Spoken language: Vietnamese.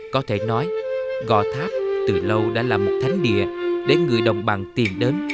có thể nói gò tháp từ lâu đã là một thánh địa để người đồng bằng tiền đến